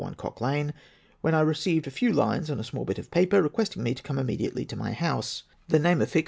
1 Cock Lane, when I received a few lines on a small bit of paper, request ing me to come immediately to m}^ liouse; the name affixed.